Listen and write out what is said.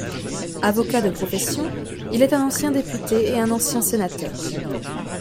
Avocat de profession, il est un ancien député et un ancien sénateur.